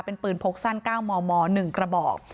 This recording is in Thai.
เป็นปืนพกสั้น๙มม๑กระบอก